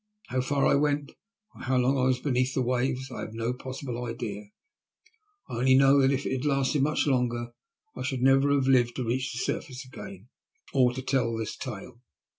How far I went, or how long I was beneath the waves, I have no possible idea. I only know that if it had lasted much longer I should never have lived to reach the surface again or to tell this tale.